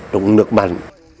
đúng nước mặn